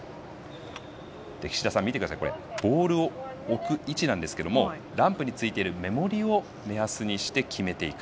岸田さん、ボールを置く位置なんですけどランプについてるメモリを目安にして決めていく。